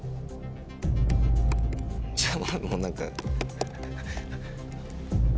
じゃもう何か。